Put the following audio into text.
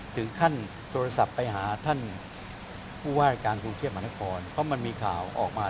โทรศัพท์ไปหาท่านผู้ว่าราชการกรุงเทพมหานครเพราะมันมีข่าวออกมา